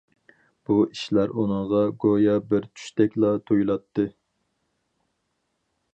بۇ ئىشلار ئۇنىڭغا گويا بىر چۈشتەكلا تۇيۇلاتتى.